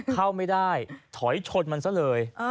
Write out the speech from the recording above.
เข้าไม่ได้ถอยชนมันซะเลย